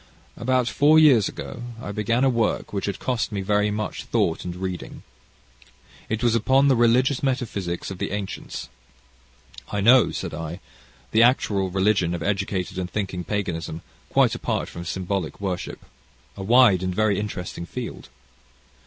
"About four years ago I began a work, which had cost me very much thought and reading. It was upon the religious metaphysics of the ancients." "I know," said I, "the actual religion of educated and thinking paganism, quite apart from symbolic worship? A wide and very interesting field."